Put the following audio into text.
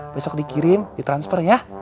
besok dikirim ditransfer ya